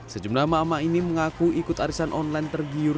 sejumlah emak emak ini mengaku ikut arisan online tergiur